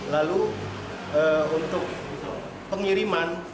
lalu untuk pengiriman